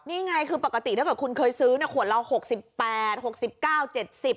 นี่ไงคือปกติถ้าเกิดคุณเคยซื้อขวดละ๖๘๖๙๗๐บาท